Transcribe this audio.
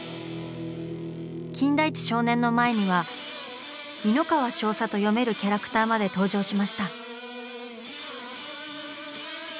金田一少年の前には「いのかわしょうさ」と読めるキャラクターまで登場しました。